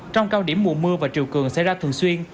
trong cao điểm mùa mưa và chiều cường xảy ra thường xuyên